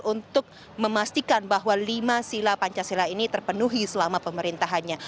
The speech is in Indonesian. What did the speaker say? dan mereka menginginkan bahwa lima sila pancasila ini terpenuhi selama pemerintahannya